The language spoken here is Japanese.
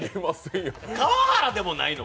川原でもないの。